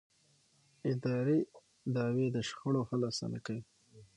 اداري دعوې د شخړو حل اسانه کوي.